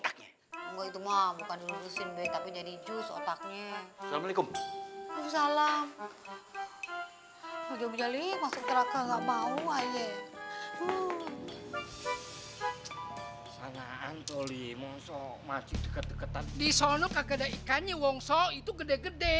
kalau lo kagak ada ikannya wongso itu gede gede